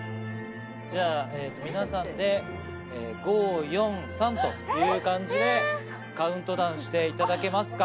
じゃあ皆さんで５・４・３という感じでカウントダウンしていただけますか？